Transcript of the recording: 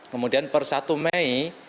kemudian per satu mei